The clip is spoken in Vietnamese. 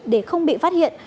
để không bị phát hiện